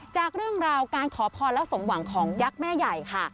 จากเรื่องราวการขอพรและสมหวังของยักษ์แม่ใหญ่ค่ะ